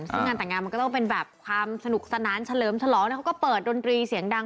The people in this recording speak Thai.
ซึ่งงานแต่งงานมันก็ต้องเป็นแบบความสนุกสนานเฉลิมฉลองแล้วเขาก็เปิดดนตรีเสียงดัง